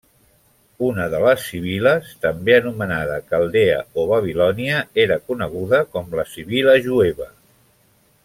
Una de les sibil·les, també anomenada caldea o babilònia, era coneguda com la Sibil·la jueva.